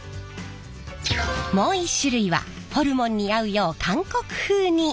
もう一種類はホルモンに合うよう韓国風に。